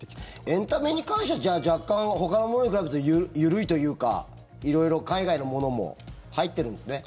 エンタメに関しては若干、ほかのものに比べると緩いというか色々海外のものも入ってるんですね。